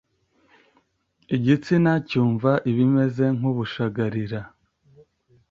igitsina cyumvwa ibimeze nk’ubushagarira